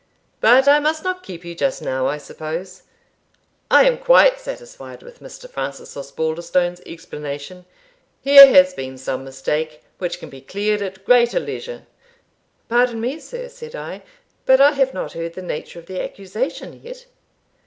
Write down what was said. But I must not keep you just now, I suppose? I am quite satisfied with Mr. Francis Osbaldistone's explanation here has been some mistake, which can be cleared at greater leisure." "Pardon me, sir," said I; "but I have not heard the nature of the accusation yet."